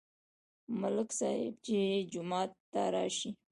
ملک صاحب چې جومات ته راشي.